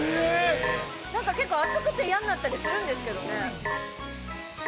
なんか結構、熱くて、嫌になったりするんですけどね。